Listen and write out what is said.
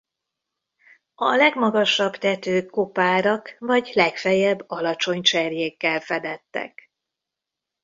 A legmagasabb tetők kopárak vagy legfeljebb alacsony cserjékkel fedettek.